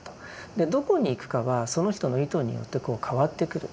どこに行くかはその人の意図によってこう変わってくると。